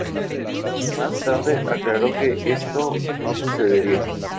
Más tarde, aclaró que esto no sucedería.